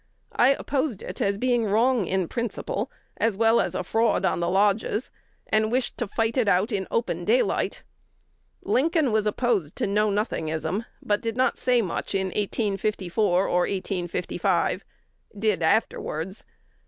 I opposed it as being wrong in principle, as well as a fraud on the lodges, and wished to fight it out in open daylight. Lincoln was opposed to Know Nothingism, but did not say much in 1854 or 1855 (did afterwards).